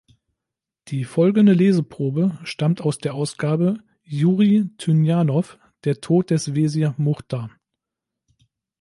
Die folgende Leseprobe stammt aus der Ausgabe: Juri Tynjanow: "Der Tod des Wesir Muchtar.